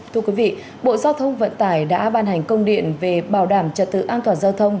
thưa quý vị bộ giao thông vận tải đã ban hành công điện về bảo đảm trật tự an toàn giao thông